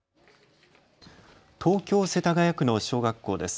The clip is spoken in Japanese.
東京世田谷区の小学校です。